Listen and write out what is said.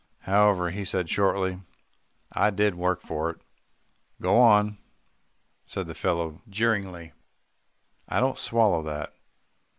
However, he said shortly, "I did work for it." "Go on," said the fellow jeeringly, "I don't swallow that."